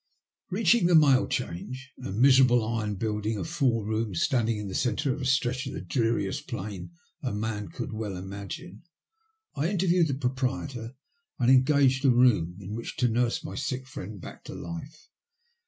Beaching the Mail Change — a miserable iron build ing of four rooms, standing in the centre of a stretch of the dreariest plain a man could well imagine — I interviewed the proprietor and engaged a room in which to nurse my sick friend back to life.